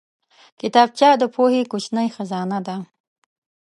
کتابچه د پوهې کوچنۍ خزانه ده